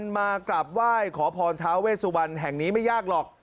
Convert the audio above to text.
พอพรท้าเวสุวรรณแห่งนี้ไม่ยากหรอก